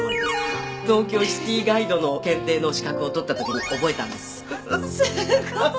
東京シティガイドの検定の資格を取った時に覚えたんですすごい！